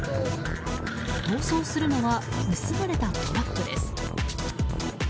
逃走するのは盗まれたトラックです。